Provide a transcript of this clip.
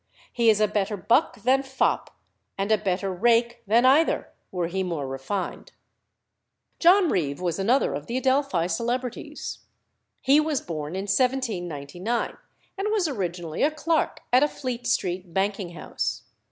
He is a better buck than fop, and a better rake than either, were he more refined." John Reeve was another of the Adelphi celebrities. He was born in 1799, and was originally a clerk at a Fleet Street banking house.